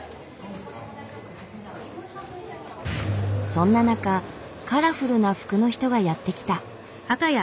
そんな中カラフルな服の人がやって来た。